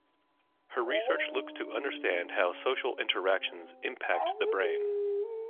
Her research looks to understand how social interactions impact the brain.